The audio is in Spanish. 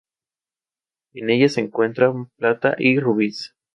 En ellas se encuentran plata y rubíes.